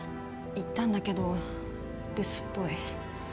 行ったんだけど留守っぽい。